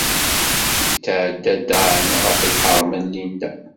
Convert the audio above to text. Yetɛedda Dan ɣef lḥeṛma n Linda.